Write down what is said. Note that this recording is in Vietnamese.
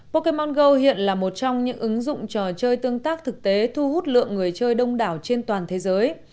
pocam mongwo hiện là một trong những ứng dụng trò chơi tương tác thực tế thu hút lượng người chơi đông đảo trên toàn thế giới